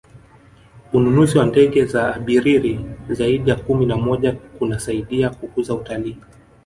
ununuzi wa ndege za abiriri zaidi ya kumi na moja kunasaidia kukuza utalii